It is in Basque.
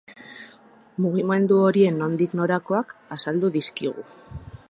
Mugimendu horien nondik-norakoak azaldu dizkigu.